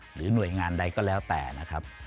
หรือหน่วยงานใดก็แล้วแต่นะครับ